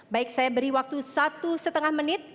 baik saya beri waktu satu lima menit